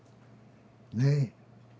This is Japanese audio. ねえ。